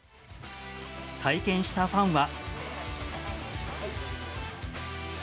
体験したファンは。